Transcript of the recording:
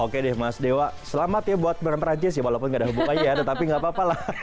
oke deh mas dewa selamat ya buat pemerintah perancis walaupun gak ada hubungan ya tapi gak apa apa lah